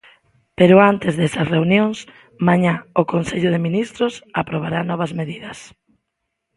Pero antes desas reunións, mañá, o Consello de Ministros aprobará novas medidas.